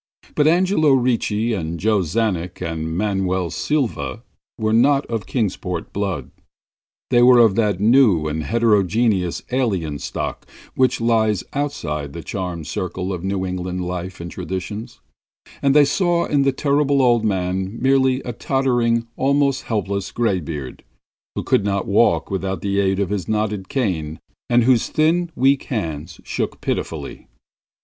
But Angelo Ricci and Joe Czanek and Manuel Silva were not of Kingsport blood; they were of that new and heterogeneous alien stock which lies outside the charmed circle of New England life and traditions, and they saw in the Terrible Old Man merely a tottering, almost helpless graybeard, who could not walk without the aid of his knotted cane and whose thin, weak hands shook pitifully.